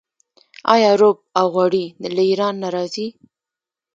آیا رب او غوړي له ایران نه راځي؟